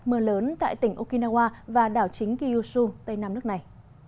mưa lớn tại tỉnh okinawa và đảo chính kyushu tây nam nước này